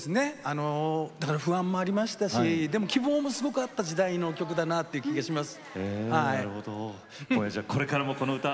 だから不安もありましたしでも希望もすごくあった時代の曲だなという気がします。